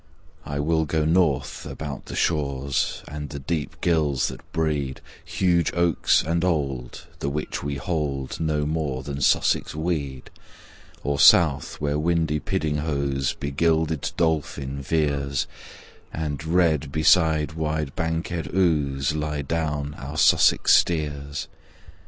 I will go north about the shaws And the deep ghylls that breed Huge oaks and old, the which we hold No more than Sussex weed; Or south where windy Piddinghoe's Begilded dolphin veers, And red beside wide banked Ouse Lie down our Sussex steers.